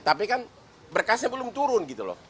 tapi kan berkasnya belum turun